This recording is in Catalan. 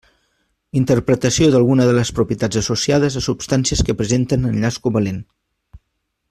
Interpretació d'alguna de les propietats associades a substàncies que presenten enllaç covalent.